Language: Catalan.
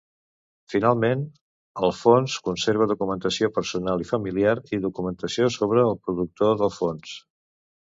Finalment, el fons conserva documentació personal i familiar, i documentació sobre el productor del fons.